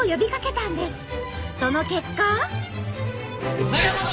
その結果。